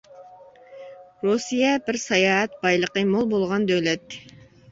رۇسىيە بىر ساياھەت بايلىقى مول بولغان دۆلەت.